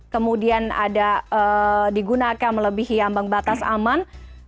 kemudian ada digunakan melebihi ambang batas aman